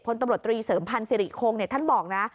คนตำรวจตรีเสริมพันธุ์สิริโค้งเนี่ยท่านบอกนะ